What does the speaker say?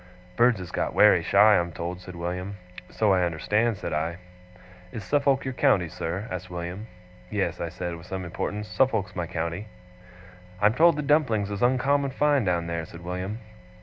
'Birds is got wery shy, I'm told,' said William. 'So I understand,' said I. 'Is Suffolk your county, sir?' asked William. 'Yes,' I said, with some importance. 'Suffolk's my county.' 'I'm told the dumplings is uncommon fine down there,' said William.